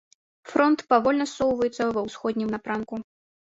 Фронт павольна ссоўваецца ва ўсходнім напрамку.